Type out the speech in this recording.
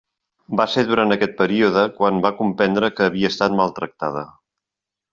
Va ser durant aquest període quan va comprendre que havia estat maltractada.